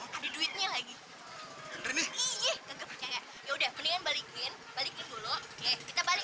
pokoknya kagak jadi